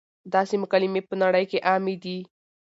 داسې مکالمې پۀ نړۍ کښې عامې دي -